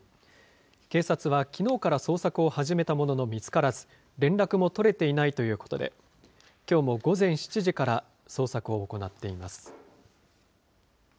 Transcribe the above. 警察はきのうから捜索を始めたものの見つからず、連絡も取れていないということで、きょうも午前７時から、捜索を行っています。